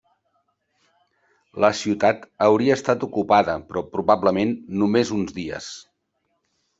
La ciutat hauria estat ocupada però probablement només uns dies.